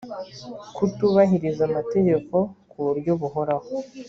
kutubahiriza amategeko ku buryo buhoraho